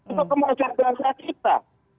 untuk memuat jadwal kita